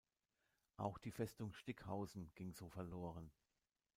Auch die Festung Stickhausen ging so verloren.